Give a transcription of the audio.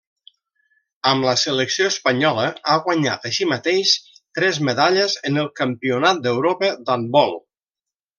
Amb la selecció espanyola ha guanyat, així mateix, tres medalles en el Campionat d'Europa d'handbol.